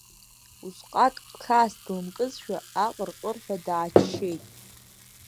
Усҟак хьаас длымкызшәа, аҟырҟырҳәа дааччеит.